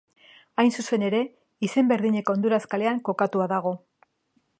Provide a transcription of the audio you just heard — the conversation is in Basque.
Hain zuzen ere, izen berdineko Honduras kalean kokatua dago.